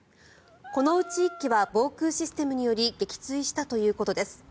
このうち１機は防空システムにより撃墜したということです。